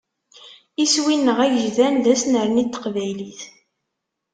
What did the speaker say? Iswi-nneɣ agejdan d asnerni n teqbaylit.